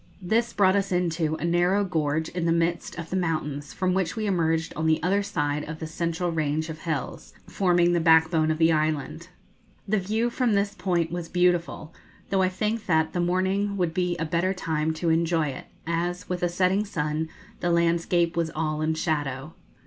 This, brought us into a narrow gorge in the midst of the mountains, from which we emerged on the other side of the central range of hills, forming the backbone of the island. The view from this point was beautiful, though I think that the morning would be a better time to enjoy it, as, with a setting sun, the landscape was all in shadow.